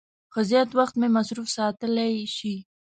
ښه زیات وخت مې مصروف ساتلای شي.